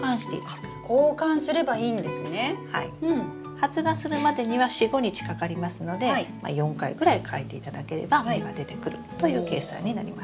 発芽するまでには４５日かかりますのでまあ４回ぐらい替えていただければ芽が出てくるという計算になります。